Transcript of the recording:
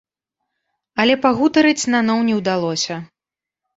Але пагутарыць наноў не ўдалося.